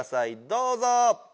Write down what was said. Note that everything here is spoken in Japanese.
どうぞ！